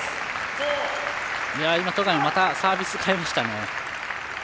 今、戸上またサービス変えましたね。